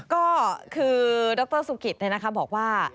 ก็คือดรซุกิตเนี่ยนะคะบอกว่า